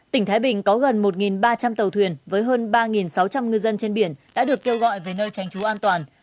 tỉnh thái bình có gần một ba trăm linh tàu thuyền với hơn ba sáu trăm linh ngư dân trên biển đã được kêu gọi về nơi tránh trú an toàn